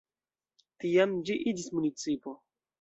Tiam ĝi iĝis municipo.